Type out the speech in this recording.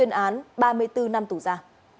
các đối tượng đã bị tuyên án ba mươi bốn năm tù gia